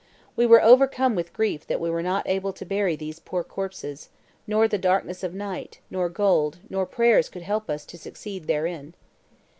We were overcome with grief that we were not able to bury these poor corpses; nor the darkness of night, nor gold, nor prayers could help us to succeed therein.